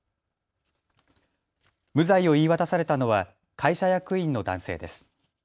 無罪を言い渡されたのは会社役員の男性です。